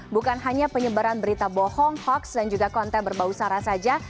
bukan hanya penyebaran berita bohong hoax dan juga konten berbau sara saja